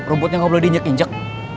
rumputnya gak boleh diinjek injek